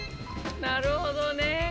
なるほどね。